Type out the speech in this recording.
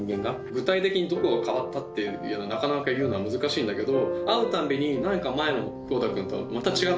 具体的にどこが変わったって言うのは難しいんだけど。